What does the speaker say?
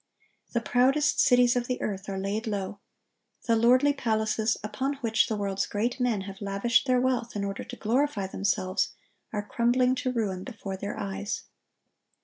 The proudest cities of the earth are laid low. The lordly palaces, upon which the world's great men have lavished their wealth in order to glorify themselves, are crumbling to ruin before their eyes.